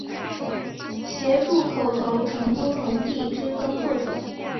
协助口头承租农地之耕作者